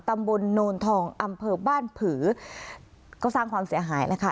ตำบลโนนทองอำเภอบ้านผือก็สร้างความเสียหายแล้วค่ะ